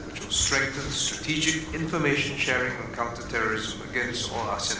yang akan memperkuat informasi strategis yang berbagi tentang terorisme terhadap semua negara as